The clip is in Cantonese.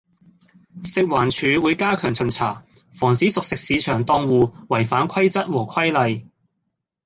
食環署會加強巡查，防止熟食市場檔戶違反規則和規例